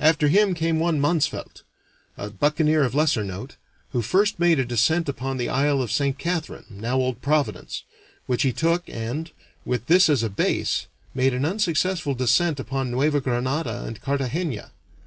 After him came one Mansvelt, a buccaneer of lesser note, who first made a descent upon the isle of Saint Catharine, now Old Providence, which he took, and, with this as a base, made an unsuccessful descent upon Neuva Granada and Cartagena.